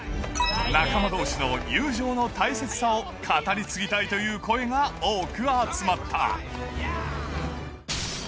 仲間どうしの友情の大切さを語り継ぎたいという声が多く集まった。